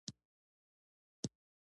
د ننګرهار په کامه کې څه شی شته؟